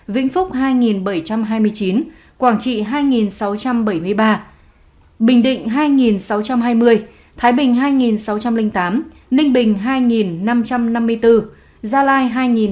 vĩnh phúc hai bảy trăm hai mươi chín quảng trị hai sáu trăm bảy mươi ba bình định hai sáu trăm hai mươi thái bình hai sáu trăm linh tám ninh bình hai năm trăm năm mươi bốn gia lai hai nghìn ba mươi